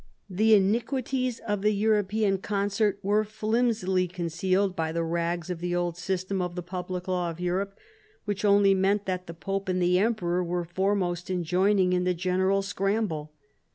The iniquities of the European concert were flimsily concealed by the rags of the old system of the public law of Europe, which only meant that the Pope and the Emperor were foremost in joining in the general scramble.